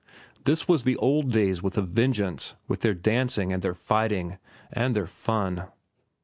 This was the old days with a vengeance, with their dancing, and their fighting, and their fun.